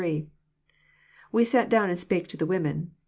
"We sat down and spake to the women."